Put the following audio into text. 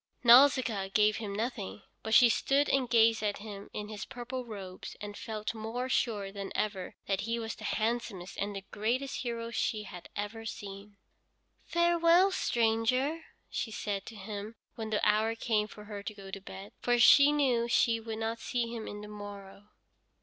Nausicaa gave him nothing, but she stood and gazed at him in his purple robes and felt more sure than ever that he was the handsomest and the greatest hero she had ever seen. "Farewell, stranger," she said to him when the hour came for her to go to bed, for she knew she would not see him on the morrow.